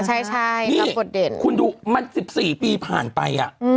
ใช่นางกดเด่นนี่คุณดูมัน๑๔ปีผ่านไป